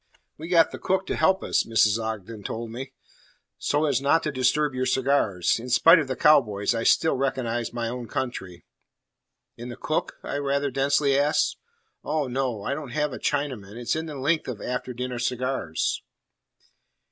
"We got the cook to help us," Mrs. Ogden told me, "so as not to disturb your cigars. In spite of the cow boys, I still recognize my own country." "In the cook?" I rather densely asked. "Oh, no! I don't have a Chinaman. It's in the length of after dinner cigars."